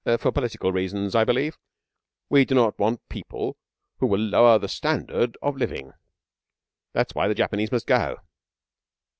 'For political reasons, I believe. We do not want People who will lower the Standard of Living. That is why the Japanese must go.'